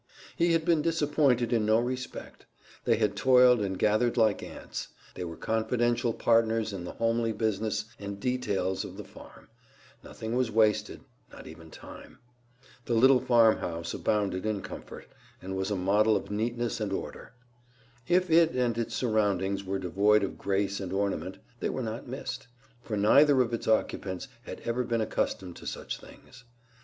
He had been disappointed in no respect; they had toiled and gathered like ants; they were confidential partners in the homely business and details of the farm; nothing was wasted, not even time. The little farmhouse abounded in comfort, and was a model of neatness and order. If it and its surroundings were devoid of grace and ornament, they were not missed, for neither of its occupants had ever been accustomed to such things.